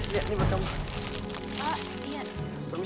nih ini buat kamu